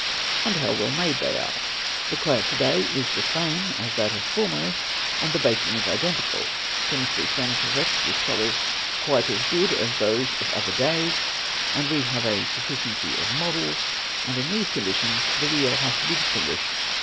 And how well made they are! The clay of to day is the same as that of formerly and the baking is identical; chemistry furnishes us with colours quite as + good as those of other days, and we have a sufficiency of models; and in | these conditions the real has to be distinguished from the false!